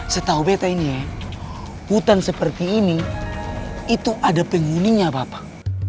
setahu beta ini hutan seperti ini itu ada penghuninya bapak